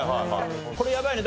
これやばいね。